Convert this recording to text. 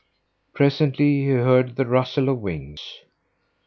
Presently he heard the rustle of wings.